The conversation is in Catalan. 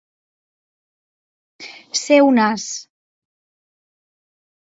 Ser un as.